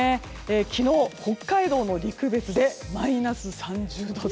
昨日、北海道の陸別でマイナス３０度台。